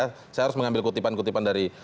saya harus mengambil kutipan kutipan dari